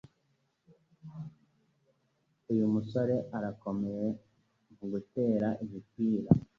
Uyu musore arakomeye mugutera imipira.